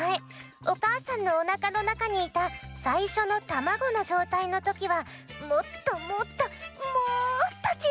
おかあさんのおなかのなかにいたさいしょのたまごのじょうたいのときはもっともっともっとちいさかったのよね。